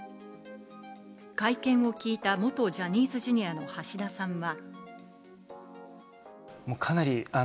会見を聞いた、元ジャニーズＪｒ．の橋田さんは。